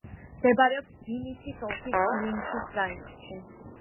მდებარეობს ვინიცის ოლქის ილინცის რაიონში.